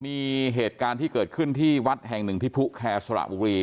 มีเหตุการณ์ที่เกิดขึ้นที่วัดแห่งหนึ่งที่ผู้แคร์สระบุรี